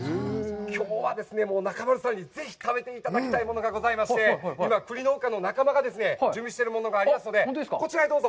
きょうはですね、中丸さんにぜひ食べていただきたいものがございまして、今、栗農家の仲間がですね、準備しているものがありますので、こちらへどうぞ！